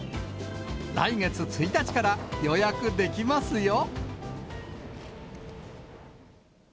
来月１日から予約できますよ。